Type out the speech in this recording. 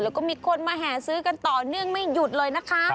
แล้วก็มีคนมาแห่ซื้อกันต่อเนื่องไม่หยุดเลยนะคะ